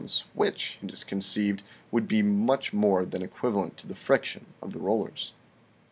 which, it is conceived, would be much more than equivalent to the friction of the rollers."